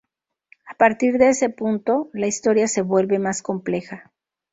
A partir de ese punto, la historia se vuelve más compleja.